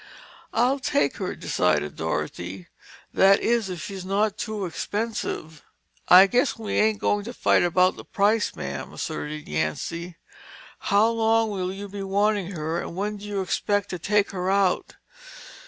"I'll take her," decided Dorothy. "That is, if she's not too expensive?" "I guess we ain't goin' to fight about the price, mam," asserted Yancy. "How long will you be wantin' her and when do you expect to take her out?"